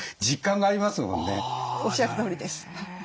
おっしゃるとおりです。